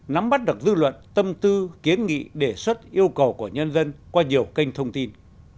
nắm bắt được dư luận tâm tư kiến nghị đề xuất yêu cầu của nhân dân qua nhiều kênh thông tin